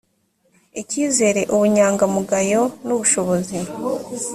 icyizere ubunyangamugayo n ubushobozi